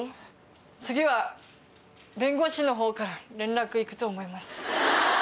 次は弁護士のほうから連絡行くと思います。